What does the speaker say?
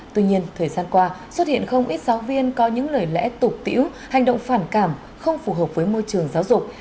tuy nhiên thời gian qua xuất hiện không ít giáo viên có những lời lẽ tục tiễu hành động phản cảm không phù hợp với môi trường giáo dục